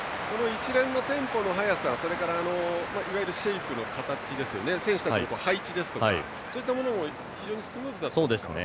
一連のテンポの速さいわゆるシェイプの形選手たちの配置ですとかそういったものも非常にスムーズでしたね。